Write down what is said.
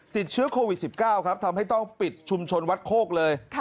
ติดเชื้อโควิด๑๙ครับทำให้ต้องปิดชุมชนวัดโคกเลย